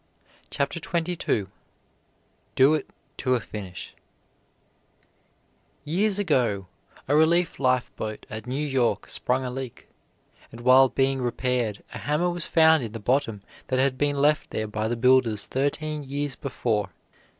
CHAPTER XXII DO IT TO A FINISH Years ago a relief lifeboat at New London sprung a leak, and while being repaired a hammer was found in the bottom that had been left there by the builders thirteen years before.